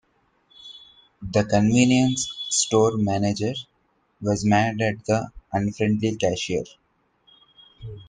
The convenience store manager was mad at the unfriendly cashier.